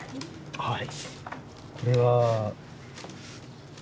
はい。